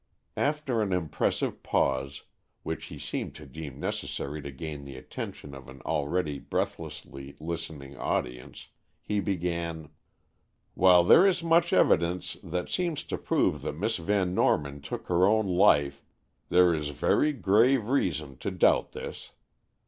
After an impressive pause, which he seemed to deem necessary to gain the attention of an already breathlessly listening audience, he began: "While there is much evidence that seems to prove that Miss Van Norman took her own life, there is very grave reason to doubt this.